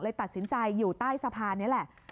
ตัดสินใจอยู่ใต้สะพานนี้แหละ